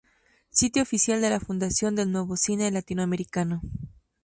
Sitio oficial de la Fundación del Nuevo Cine Latinoamericano